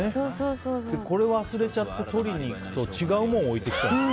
これ忘れちゃって取りに行くと違うもの置いてきちゃうって。